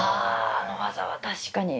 あの技は確かに。